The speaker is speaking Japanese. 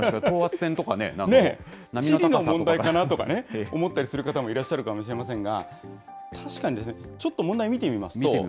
等圧線とかね、波地理の問題かなとか、思ったりする方もいらっしゃるかもしれませんが、確かに、ちょっと問題見てみますと。